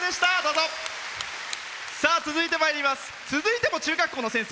続いても中学校の先生。